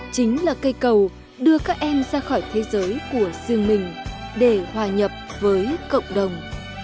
chính là cây cầu đưa các em ra khỏi thế giới của riêng mình để hòa nhập với cộng đồng